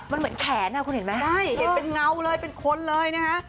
มันเหมือนแขนอ่ะคุณเห็นไหมใช่เห็นเป็นเงาเลยเป็นคนเลยนะฮะ